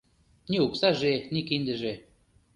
Ни оксаже, ни киндыже.